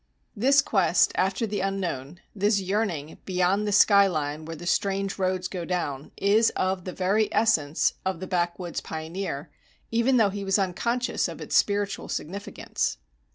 This quest after the unknown, this yearning "beyond the sky line, where the strange roads go down," is of the very essence of the backwoods pioneer, even though he was unconscious of its spiritual significance.